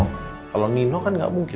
kalau nino kan nggak mungkin